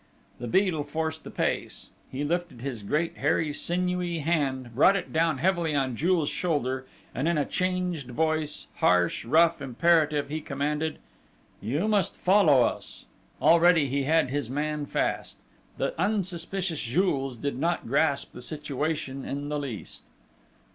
The Beadle forced the pace: he lifted his great hairy sinewy hand, brought it down heavily on Jules' shoulder, and in a changed voice, harsh, rough, imperative, he commanded: "You must follow us!" Already he had his man fast. The unsuspicious Jules did not grasp the situation in the least.